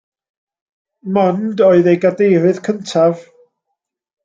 Mond oedd ei gadeirydd cyntaf.